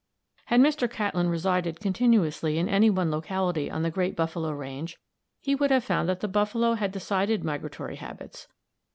Had Mr. Catlin resided continuously in any one locality on the great buffalo range, he would have found that the buffalo had decided migratory habits.